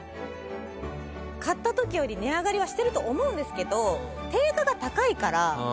買ったときより値上がりはしてると思うんですけど。